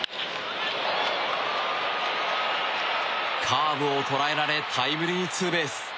カーブを捉えられタイムリーツーベース。